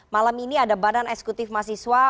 malam ini ada badan eksekutif mahasiswa